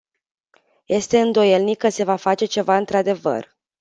Este îndoielnic că se va face ceva într-adevăr.